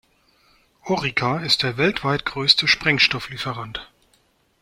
Orica ist der weltweit größte Sprengstoff-Lieferant.